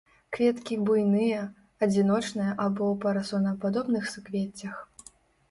Кветкі буйныя, адзіночныя або ў парасонападобных суквеццях.